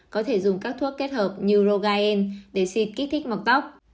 có thể dùng các thuốc kết hợp như rogaine để xịt kích thích mọc tóc